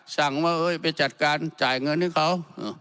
สั่งว่าไปจัดการจ่ายเงินให้เขา